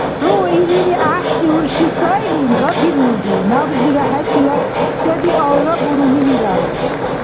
ХӀу илини гӀяхӀси урши сайлин гапирулри, набзира хӀечила се-биалра бурули вирар.